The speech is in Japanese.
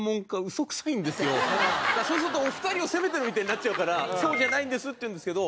そうするとお二人を責めてるみたいになっちゃうからそうじゃないんですって言うんですけど。